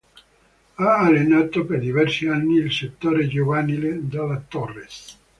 Ha allenato per diversi anni il settore giovanile della Torres.